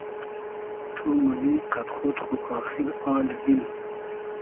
تو مونی قئد خۉد خو آخیر آلی دیل